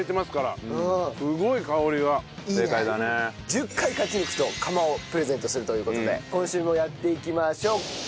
１０回勝ち抜くと釜をプレゼントするという事で今週もやっていきましょう。